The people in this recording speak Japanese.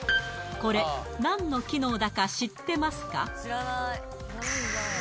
これ何の機能だか知ってますか？